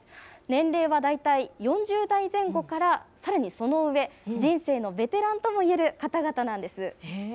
年齢は大体４０代前後から、さらにその上、人生のベテランともいえる方々なんです。